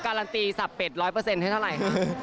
การันตีสับเป็ด๑๐๐ให้เท่าไหร่คะ